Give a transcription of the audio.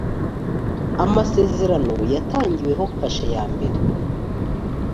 amasezerano yatangiweho kashe yambere